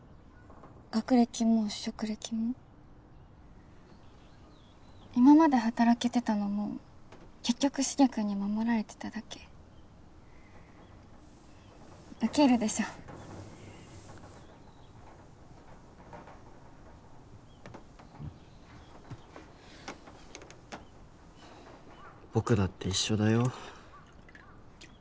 学歴も職歴も今まで働けてたのも結局しげ君に守られてただけウケるでしょ僕だって一緒だよ